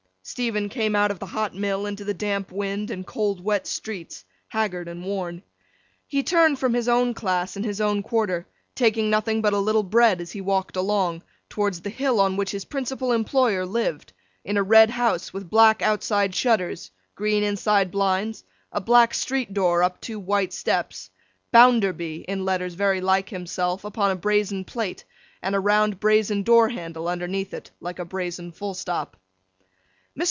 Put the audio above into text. Stephen came out of the hot mill into the damp wind and cold wet streets, haggard and worn. He turned from his own class and his own quarter, taking nothing but a little bread as he walked along, towards the hill on which his principal employer lived, in a red house with black outside shutters, green inside blinds, a black street door, up two white steps, BOUNDERBY (in letters very like himself) upon a brazen plate, and a round brazen door handle underneath it, like a brazen full stop. Mr.